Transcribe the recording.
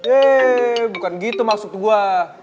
eh bukan gitu maksud gue